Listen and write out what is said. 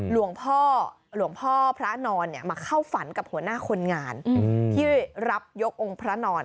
หลวงพ่อหลวงพ่อพระนอนมาเข้าฝันกับหัวหน้าคนงานที่รับยกองค์พระนอน